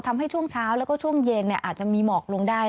ช่วงเช้าแล้วก็ช่วงเย็นอาจจะมีหมอกลงได้